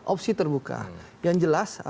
opsi terbuka yang jelas